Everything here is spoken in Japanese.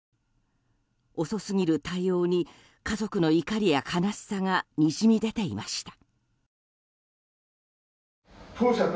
遅すぎる対応に家族の怒りや悲しさがにじみ出ていました。